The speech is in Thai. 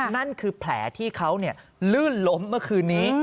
นั่นคือแผลที่เขาลื่นล้มเมื่อคืนนี้